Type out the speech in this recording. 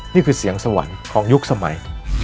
นี่คือเสียงสวรรค์ของยุคสมัย